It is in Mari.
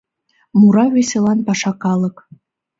Мура веселан паша калык: